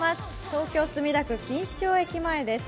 東京・墨田区、錦糸町駅前です。